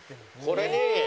これに。